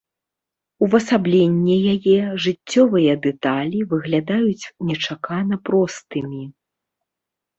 Увасабленне яе, жыццёвыя дэталі выглядаюць нечакана простымі.